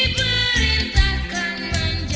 diberikannya yang terbaik bagiku